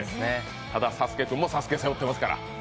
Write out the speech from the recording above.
ただ、サスケくんも「ＳＡＳＵＫＥ」背負ってますから。